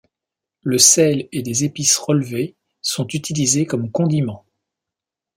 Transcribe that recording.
Le sel et des épices relevés sont utilisés comme condiments.